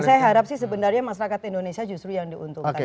saya harap sih sebenarnya masyarakat indonesia justru yang diuntungkan